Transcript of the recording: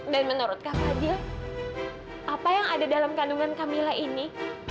dan menurut kak fadil apa yang ada dalam kandungan kamila ini